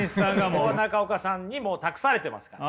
ここは中岡さんにもう託されてますから。